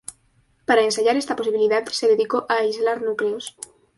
Para ensayar esta posibilidad, se dedicó a aislar núcleos.